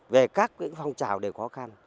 về các phong trào đều khó khăn